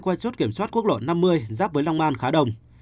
qua chốt kiểm soát quốc lộ năm mươi giáp với long an khá đông